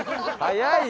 早い！